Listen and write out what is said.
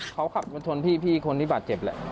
เขาขับมาชนพี่คนที่บาดเจ็บแหละ